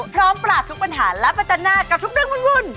พร้อมปราบทุกปัญหาและประจันหน้ากับทุกเรื่องวุ่น